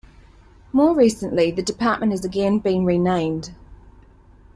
More recently, the department has again been renamed.